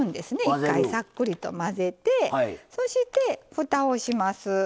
一回さっくりと混ぜてそしてふたをします。